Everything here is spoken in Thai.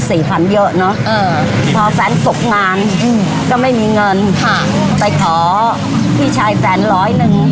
ฝันเยอะเนอะเออพอแฟนตกงานอืมก็ไม่มีเงินค่ะไปขอพี่ชายแฟนร้อยหนึ่ง